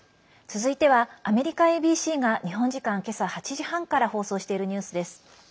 続いてはアメリカＡＢＣが日本時間、今朝８時半から放送しているニュースです。